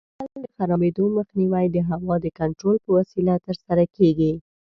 د حاصل د خرابېدو مخنیوی د هوا د کنټرول په وسیله ترسره کېږي.